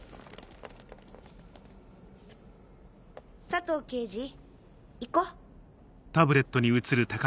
佐藤刑事行こう。